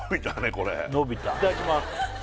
これいただきます